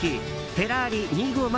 フェラーリ２５０